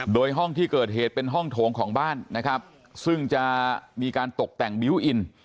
โดยห้องที่เกิดเหตุเป็นห้องโถงของบ้านนะครับซึ่งจะมีการตกแต่งบิวต์อิน